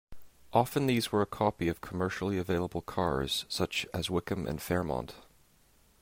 Often these were a copy of commercially available cars, such as Wickham and Fairmont.